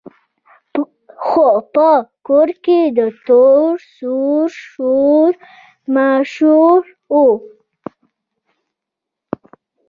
خو په کور کې د تور سرو شور ماشور وو.